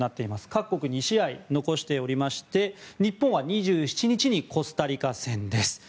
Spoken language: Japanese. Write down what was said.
各国、２試合残していまして日本は２７日にコスタリカ戦です。